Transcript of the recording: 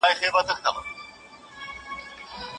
کله دې خوا کله ها خوا په ځغستا سو